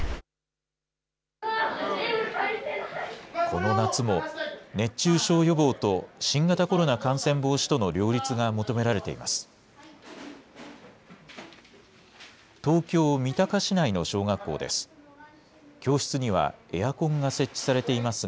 この夏も、熱中症予防と新型コロナ感染防止との両立が求められています。